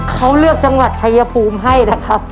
เขาเลือกจังหวัดชายภูมิให้นะครับ